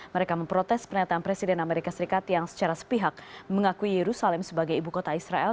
mereka memprotes pernyataan presiden amerika serikat yang secara sepihak mengakui yerusalem sebagai ibu kota israel